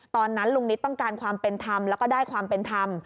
ตอนนั้นลุงนิดต้องการความเป็นธรรมแล้วก็ได้ความเป็นธรรม